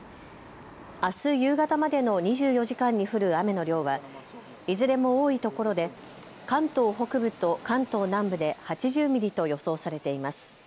あす夕方までの２４時間に降る雨の量はいずれも多いところで関東北部と関東南部で８０ミリと予想されています。